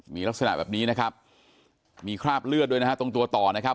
มีลักษณะแบบนี้นะครับมีคราบเลือดด้วยนะฮะตรงตัวต่อนะครับ